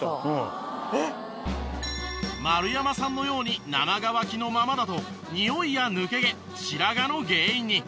丸山さんのように生乾きのままだとニオイや抜け毛白髪の原因に。